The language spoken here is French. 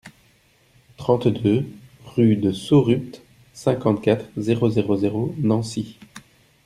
trente-deux rue de Saurupt, cinquante-quatre, zéro zéro zéro, Nancy